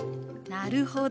なるほど！